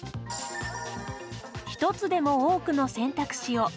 １つでも多くの選択肢を。